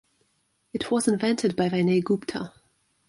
It was invented by Vinay Gupta.